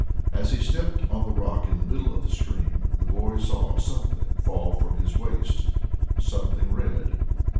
As he stepped on the rock in the middle of the stream, the boy saw something fall from his waist something red.